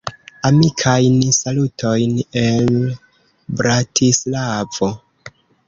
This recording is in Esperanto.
Amikajn salutojn el Bratislavo!